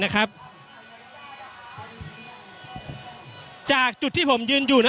อย่างที่บอกไปว่าเรายังยึดในเรื่องของข้อ